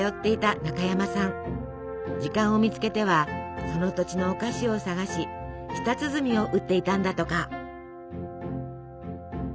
時間を見つけてはその土地のお菓子を探し舌鼓を打っていたんだとか。